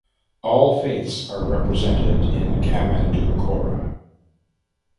All faiths are represented in Kamandou Koura.